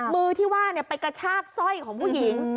มือที่ว่าไปกระชากสร้อยของผู้หญิง